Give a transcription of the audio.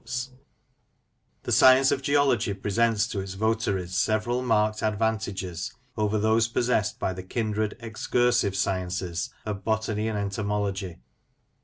94 Lancashire Characters and Places, The science of geology presents to its votaries several marked advantages over those possessed by the kindred excursive sciences of botany and entomology.